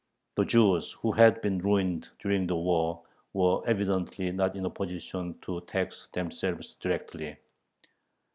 The Jews, who had been ruined during the war, were evidently not in a position to tax themselves directly.